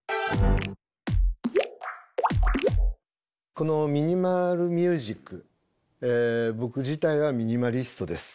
このミニマル・ミュージック僕自体はミニマリストです。